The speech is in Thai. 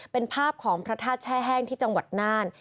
เป็นภาพของพระธาตุแช่แห้งที่จังหวัดน่าน